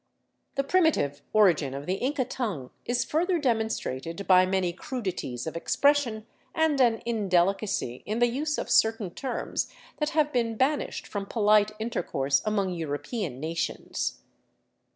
The primitive origin of the Inca tongue is further demonstrated by many crudities of expression, and an indelicacy in the use of certain terms that have been banished from polite intercourse among European na tions.